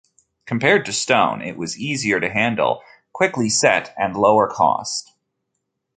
Compared to stone, it was easier to handle, quickly set and lower cost.